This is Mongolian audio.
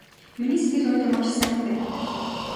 Миний сэтгэл өнөөдөр маш сайхан байна!